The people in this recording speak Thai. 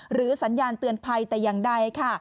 หรือสัญญาณเตือนภัยแต่ยังได้ค่ะ